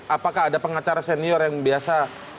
apakah ada pengacara senior yang biasa